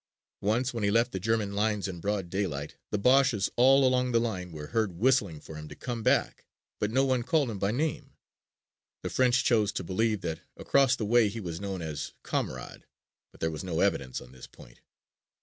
Once when he left the German lines in broad daylight the Boches all along the line were heard whistling for him to come back, but no one called him by name. The French chose to believe that across the way he was known as "Kamerad," but there was no evidence on this point.